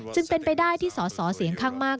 จึงเป็นไปได้ที่สอสอเสียงข้างมาก